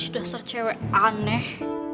dasar cewek aneh